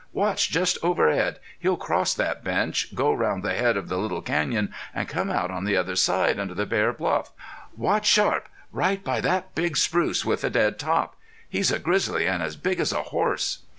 Watch just over Edd. He'll cross that bench, go round the head of the little canyon, an' come out on the other side, under the bare bluff.... Watch sharp right by that big spruce with the dead top.... He's a grizzly an' as big as a horse".